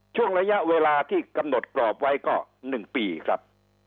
ช่วงระยะเวลาที่กำหนดกรอบไว้ก็๑ปีครับ